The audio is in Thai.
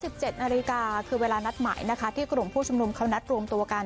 สิบเจ็ดนาฬิกาคือเวลานัดหมายนะคะที่กลุ่มผู้ชุมนุมเขานัดรวมตัวกัน